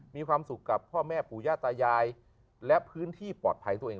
มีความสุขกับพ่อแม่ปู่ย่าตายายและพื้นที่ปลอดภัยตัวเอง